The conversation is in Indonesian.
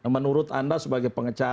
menurut anda sebagai pemerintah